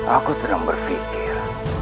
aku sedang berpikir